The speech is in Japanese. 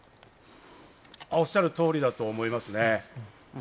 おっしゃる通りだと思いますね。